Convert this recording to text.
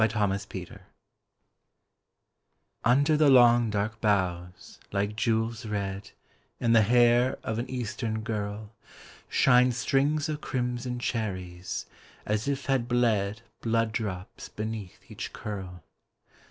CHERRY ROBBERS Under the long, dark boughs, like jewels red In the hair of an Eastern girl Shine strings of crimson cherries, as if had bled Blood drops beneath each curl.